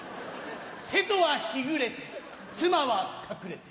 「瀬戸は日暮れて妻は隠れて」。